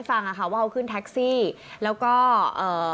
แล้วก็อ่า